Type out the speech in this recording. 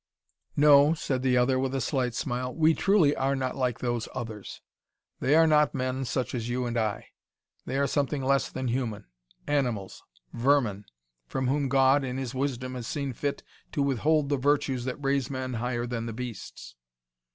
"No," said the other with a slight smile, "we truly are not like those others. They are not men such as you and I. They are something less than human: animals vermin! from whom God, in His wisdom, has seen fit to withhold the virtues that raise men higher than the beasts."